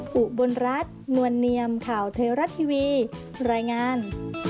ผู้บนรัฐนวลเนียมข่าวเทอร์รัสทีวีรายงาน